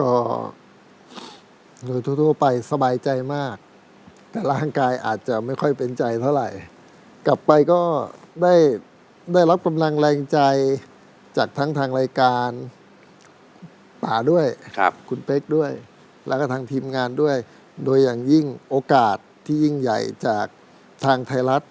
ก็โดยทั่วไปสบายใจมากแต่ร่างกายอาจจะไม่ค่อยเป็นใจเท่าไหร่กลับไปก็ได้รับกำลังแรงใจจากทั้งทางรายการป่าด้วยคุณเป๊กด้วยแล้วก็ทางทีมงานด้วยโดยอย่างยิ่งโอกาสที่ยิ่งใหญ่จากทางไทยรัฐ